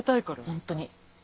ホントに。